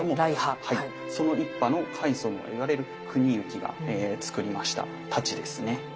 その一派の開祖と呼ばれる国行がつくりました太刀ですね。